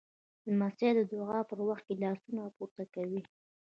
لمسی د دعا پر وخت لاسونه پورته کوي.